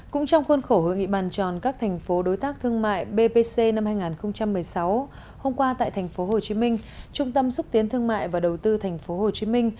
cũng trong khuôn khổ hội nghị bàn tròn các thành phố đối tác thương mại bpc năm hai nghìn một mươi sáu hôm qua tại tp hcm trung tâm xúc tiến thương mại và đầu tư tp hcm